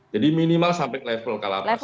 jadi minimal sampai level kala paskah